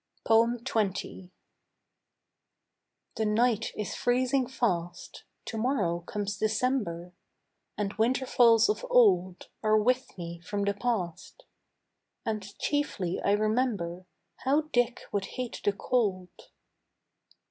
XX. The night is freezing fast, To morrow comes December; And winterfalls of old Are with me from the past; And chiefly I remember How Dick would hate the cold.